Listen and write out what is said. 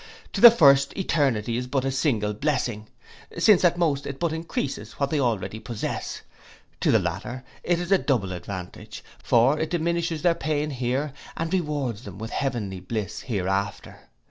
To the first eternity is but a single blessing, since at most it but encreases what they already possess. To the latter it is a double advantage; for it diminishes their pain here, and rewards them with heavenly bliss hereafter.